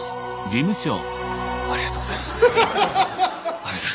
ありがとうございます阿部さん。